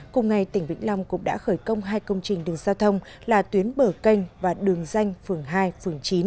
cùng ngày tỉnh vĩnh long cũng đã khởi công hai công trình đường giao thông là tuyến bờ canh và đường danh phường hai phường chín